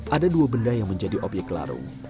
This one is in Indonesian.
ada dua benda yang menjadi obyek larung